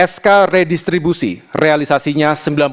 sk redistribusi realisasinya sembilan puluh delapan lima belas